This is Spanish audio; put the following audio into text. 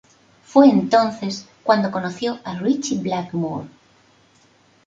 Fue entonces cuando conoció a Ritchie Blackmore.